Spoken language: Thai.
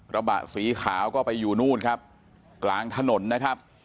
ระบะสีขาวก็ไปอยู่นู่นครับกลางถนนนะครับ